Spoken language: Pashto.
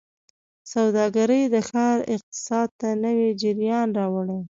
سوداګرۍ د ښار اقتصاد ته نوي جریان راوړي.